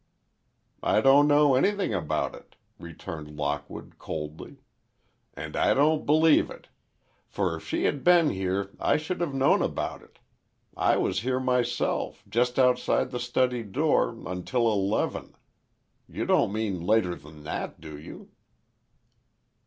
"I don't know anything about it," returned Lockwood, coldly, "and I don't believe it. For if she had been here I should have known about it. I was here myself, just outside the study door, until eleven. You don't mean later than that, do you?"